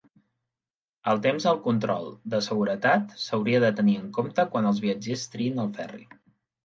El temps al control de seguretat s'hauria de tenir en compte quan els viatgers triïn el ferri.